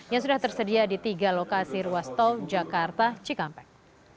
yang sudah tersedia di tiga lokasi ruas tol jakarta cikampek